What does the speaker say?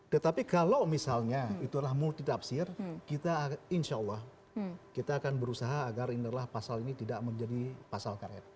tetapi kalau misalnya itu adalah multitafsir kita insya allah kita akan berusaha agar inilah pasal ini tidak menjadi pasal karet